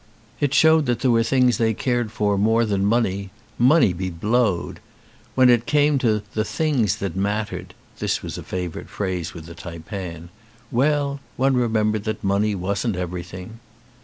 It showed that there were things they cared for more than money. Money be blowed ! When it came to "the things that mattered" (this was a favourite phrase with the taipan) well, one remembered that money wasn't everything.